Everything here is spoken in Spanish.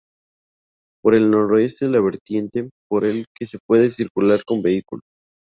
Por el noroeste de la vertiente, por el que se puede circular con vehículo.